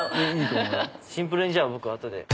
シンプルにじゃあ僕後で。